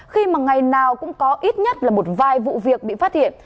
khi mà ngày nào cũng có ít nhất là một vài vụ việc bị phát hiện